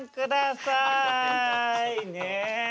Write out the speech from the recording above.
ねえ。